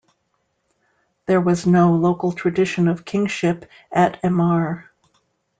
There was no local tradition of kingship at Emar.